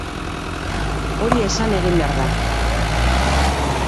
Hori esan egin behar da.